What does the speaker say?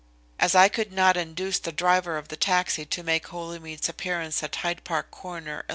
As I could not induce the driver of the taxi to make Holymead's appearance at Hyde Park Corner 11.